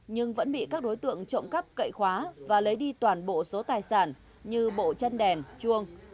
nhưng vẫn bị các đối tượng trộm cắp cậy khóa và lấy đi toàn bộ số tài sản như bộ chân đèn chuông